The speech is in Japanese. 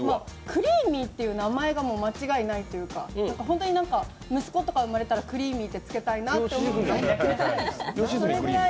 クリーミーっていう名前がもう間違いないというか本当に息子とか生まれたらクリーミーってつけたいなってぐらい。